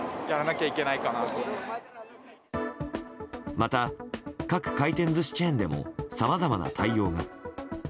また各回転寿司チェーンでもさまざまな対応が。